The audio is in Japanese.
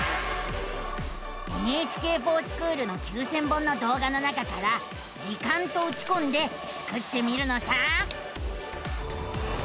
「ＮＨＫｆｏｒＳｃｈｏｏｌ」の９，０００本のどう画の中から「時間」とうちこんでスクってみるのさ！